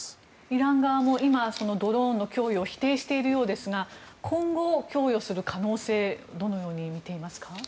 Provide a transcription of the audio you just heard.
イラン側も今ドローンの供与を否定しているようですが今後、供与する可能性どのように見ていますか。